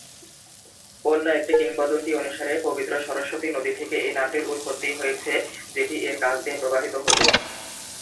অন্য একটি কিংবদন্তি অনুসারে, পবিত্র সরস্বতী নদী থেকে এই নামটির উৎপত্তি হয়েছে, যেটি এর কাছ দিয়ে প্রবাহিত হত।